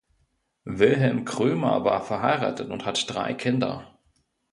Wilhelm Krömer war verheiratet und hat drei Kinder.